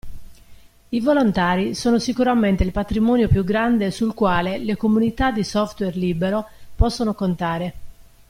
I volontari sono sicuramente il patrimonio più grande sul quale le comunità di software libero possono contare.